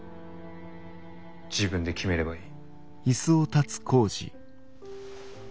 自分で決めればいい。